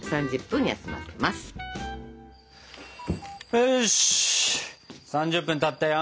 よし３０分たったよ。